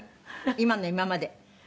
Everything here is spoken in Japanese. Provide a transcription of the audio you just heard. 今の今まで。